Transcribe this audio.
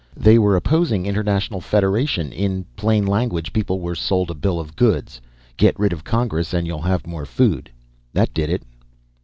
They were opposing international federation. In plain language, people were sold a bill of goods get rid of Congress and you'll have more food. That did it."